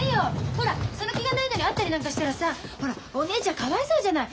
ほらその気がないのに会ったりなんかしたらさほらお姉ちゃんかわいそうじゃない。